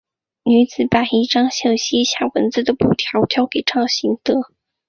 女子把一张写有西夏文字的布条交给赵行德。